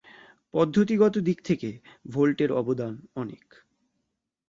পদ্ধতি গত দিক থেকে ভোল্টের অবদান অনেক।